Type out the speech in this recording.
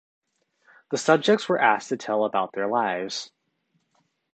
The subjects were asked to tell about their lives.